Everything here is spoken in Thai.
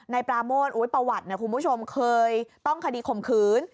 ปราโมทอุ๊ยประวัติคุณผู้ชมเคยต้องคดีข่มขืน